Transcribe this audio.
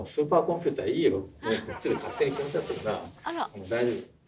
もう大丈夫。